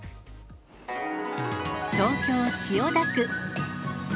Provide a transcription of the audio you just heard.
東京・千代田区。